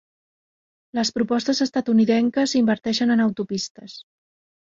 Les propostes estatunidenques inverteixen en autopistes.